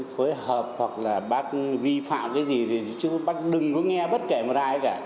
phối hợp hoặc là bác vi phạm cái gì thì chứ bác đừng có nghe bất kể một ai cả